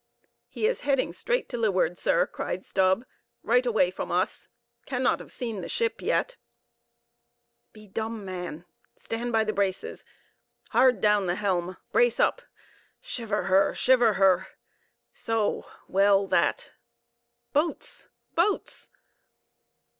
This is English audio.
"He is heading straight to leeward, sir," cried Stubb, "right away from us; cannot have seen the ship yet." "Be dumb, man! Stand by the braces! Hard down the helm!—brace up! Shiver her!—shiver her! So; well that! Boats, boats!"